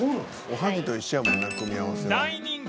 おはぎと一緒やもんな組み合わせは。